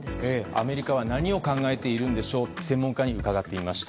アメリカは、何を考えているんでしょう？と専門家に伺ってみました。